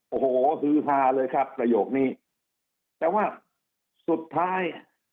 โอ้โหฮือฮาเลยครับประโยคนี้แต่ว่าสุดท้าย